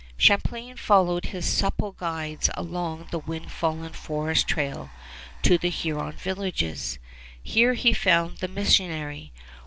Champlain followed his supple guides along the wind fallen forest trail to the Huron villages. Here he found the missionary.